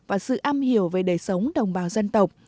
và sự âm hiểu về đời sống đồng bào dân tộc